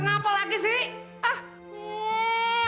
lena apa lagi sih ah